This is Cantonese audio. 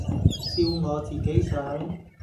照我自己想，